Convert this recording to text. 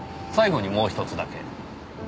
最後にもう一つだけ。